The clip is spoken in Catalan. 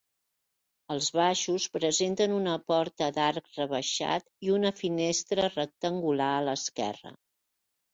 Els baixos presenten una porta d'arc rebaixat i una finestra rectangular a l'esquerra.